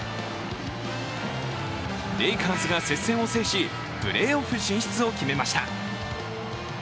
レイカーズが接戦を制し、プレーオフ進出を決めました。